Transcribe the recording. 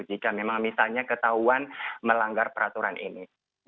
jika memang misalnya ketahuan melanggar peraturan ini